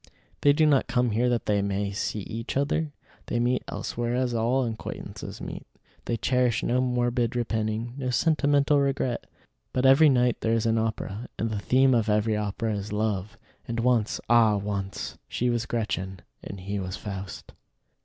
They do not come here that they may see each other. They meet elsewhere as all acquaintances meet. They cherish no morbid repining, no sentimental regret. But every night there is an opera, and the theme of every opera is love; and once, ah! once, she was Gretchen and he was Faust.